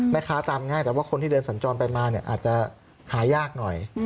แม่ค้าตามง่ายแต่ว่าคนที่เดินสัญจรไปมาอาจจะหายากหน่อย